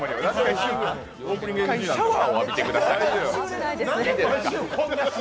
一回、シャワーを浴びてください。